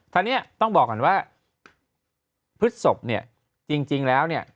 ท่านเนี้ยต้องบอกกันว่าพฤศพเนี้ยจริงแล้วเนี้ย